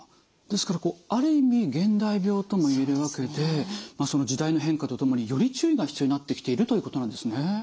ですからこうある意味現代病とも言えるわけでその時代の変化とともにより注意が必要になってきているということなんですね。